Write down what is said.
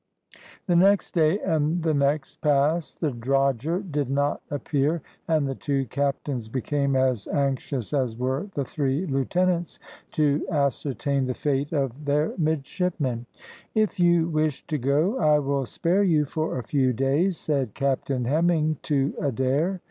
The next day and the next passed the drogher did not appear, and the two captains became as anxious as were the three lieutenants to ascertain the fate of their midshipmen. "If you wish to go I will spare you for a few days," said Captain Hemming to Adair.